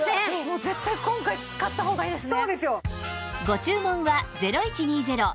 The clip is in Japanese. もう絶対今回買った方がいいですね。